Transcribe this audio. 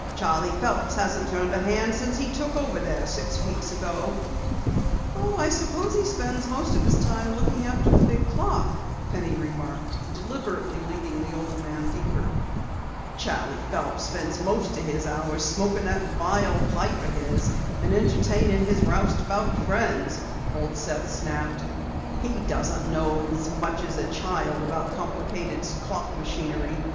Charley Phelps hasn't turned a hand since he took over there six weeks ago." "I suppose he spends most of his time looking after the big clock," Penny remarked, deliberately leading the old man deeper. "Charley Phelps spends most of his hours smoking that vile pipe of his and entertaining his roustabout friends," Old Seth snapped. "He doesn't know as much as a child about complicated clock machinery.